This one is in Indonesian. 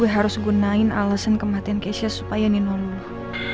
gue harus gunain alasan kematian keisha supaya nino luluh